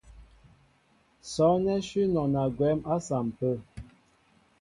Sɔ́' ánɛ́ shʉ́ nɔna gwɛ̌m á saḿpə.